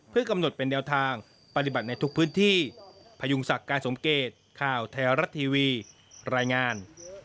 เพื่อกำหนดเป็นแนวทางปฏิบัติในทุกพื้นที่พยุงศักดิ์การสมเกตข่าวไทยรัฐทีวีรายงาน